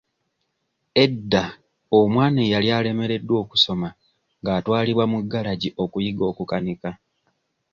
Edda omwana eyali alemereddwa okusoma ng'atwalibwa mu galagi okuyiga okukanika.